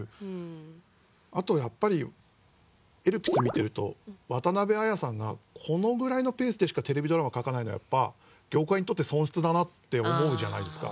あとやっぱり「エルピス」見てると渡辺あやさんがこのぐらいのペースでしかテレビドラマ書かないのはやっぱ業界にとって損失だなって思うじゃないですか。